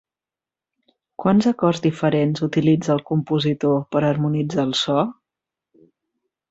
Quants acords diferents utilitza el compositor per harmonitzar el so?